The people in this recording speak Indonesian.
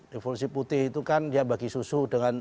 revolusi putih itu kan dia bagi susu dengan